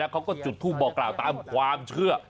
เขาก็จุดทูปบอกกล่าวตามความเชื่อ